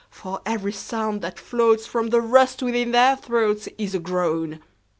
For every sound that floatsFrom the rust within their throatsIs a groan.